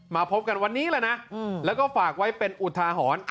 มาพบกันวันนี้แหละนะแล้วก็ฝากไว้เป็นอุทาหรณ์